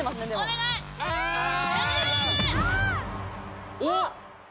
おっ？